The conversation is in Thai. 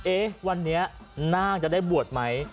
เอ๊ะวันนี้นาคจะได้บวชไหม